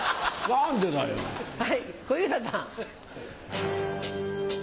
はい小遊三さん。